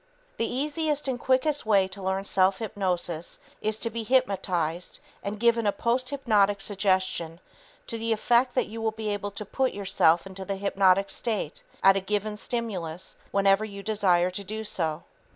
The easiest and quickest way to learn self hypnosis is to be hypnotized and given a posthypnotic suggestion to the effect that you will be able to put yourself into the hypnotic state at a given stimulus whenever you desire to do so.